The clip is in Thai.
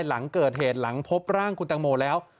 หลังเกิดเหตุหลังพบร่างคุณตังโมแล้ว